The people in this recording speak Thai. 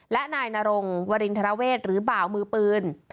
และนายนรงวรินทรเวศหรือบ่าวมือปืน